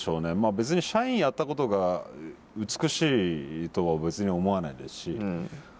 別に社員やったことが美しいとは別に思わないですし。